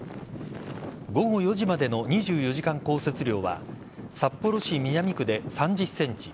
午後４時までの２４時間降雪量は札幌市南区で３０ｃｍ